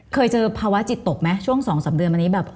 เคยเจอภาวะจิตตกไหมช่วง๒๓เดือนอันนี้แบบ